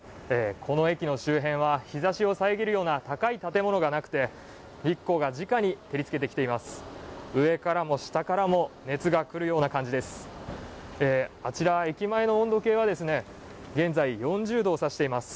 この駅の周辺は、日ざしを遮るような、高い建物がなくて日光がじかに照りつけてきています。